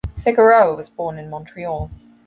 Figueroa was born in Montreal.